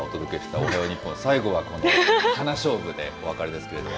おはよう日本、最後はこの花しょうぶでお別れですけれども。